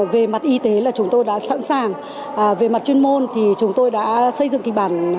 về mặt y tế là chúng tôi đã sẵn sàng về mặt chuyên môn thì chúng tôi đã xây dựng kịch bản